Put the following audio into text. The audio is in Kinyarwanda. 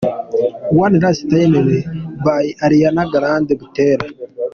One Last Time by Ariana Grande Butera:.